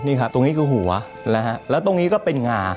นี่ครับตรงนี้คือหัวนะฮะแล้วตรงนี้ก็เป็นงา